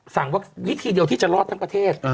สั่งว่าวิธีเดียวที่จะรอดทั้งประเทศ